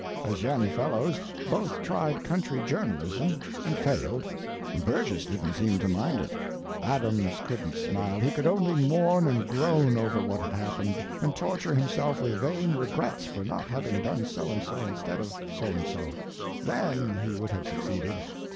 As young fellows both tried country journalism—and failed. Burgess didn't seem to mind it; Adams couldn't smile, he could only mourn and groan over what had happened and torture himself with vain regrets for not having done so and so instead of so and so—_then _he would have succeeded.